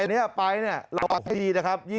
อันนี้ฮะปลายนเนี่ยระวังให้ดีนะครับ